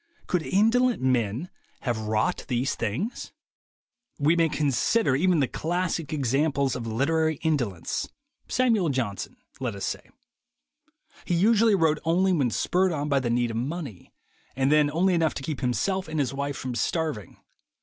Could indolent men have wrought these things? 148 THE WAY TO WILL POWER We may consider even the classic examples of literary indolence — Samuel Johnson, let us say. He usually wrote only when spurred on by the need of money, and then only enough to keep himself and his wife from starving.